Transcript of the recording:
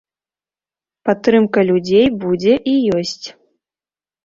Падтрымка людзей будзе і ёсць.